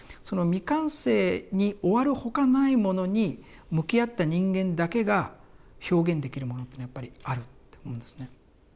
その未完成に終わるほかないものに向き合った人間だけが表現できるものっていうのはやっぱりあるって思うんですね。